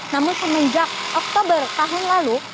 namun semenjak oktober tahun lalu